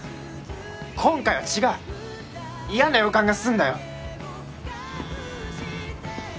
今回は違う嫌な予感がすんだよ